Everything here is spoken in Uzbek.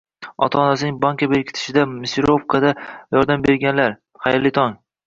Ota-onasining bonka berkitishda мясорубка da yordam berganlar, xayrli tong!